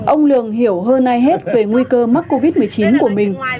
ông lường hiểu hơn ai hết về nguy cơ mắc covid một mươi chín của mình